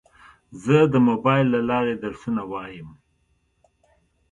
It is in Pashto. زه د موبایل له لارې درسونه وایم.